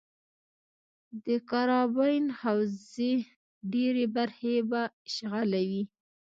د کارابین حوزې ډېرې برخې به اشغالوي.